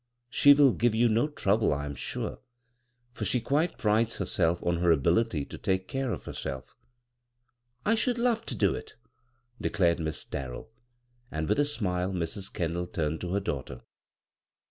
She will give b, Google CROSS CURRENTS you no trouble I am sure, for she quite prides herself on her ability to take care of herself." "[ should love to do it," declared Miss Darrell ; and with a smile Mrs. Kendall turned to her daughter.